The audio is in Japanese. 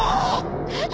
えっ？